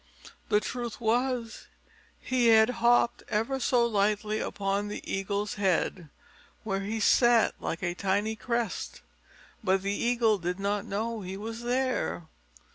The truth was, he had hopped ever so lightly upon the Eagle's head, where he sat like a tiny crest. But the Eagle did not know he was there.